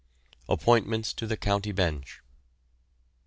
APPOINTMENTS TO THE COUNTY BENCH.